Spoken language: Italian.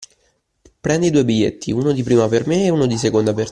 Prendi due biglietti, uno di prima per me e uno di seconda per te.